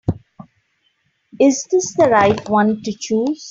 Is this the right one to choose?